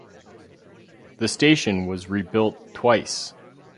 The station was rebuilt twice.